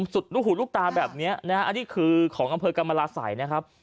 สุดลูกหูลูกตาแบบนี้นะฮะอันนี้คือของอำเภอกรรมราศัยนะครับ